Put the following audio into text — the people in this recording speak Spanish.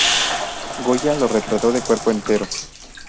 Goya lo retrató de cuerpo entero.